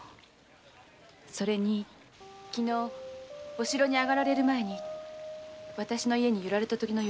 それにお城に上がられる前に私の家に寄られた時の様子が。